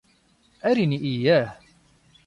اريني اياه.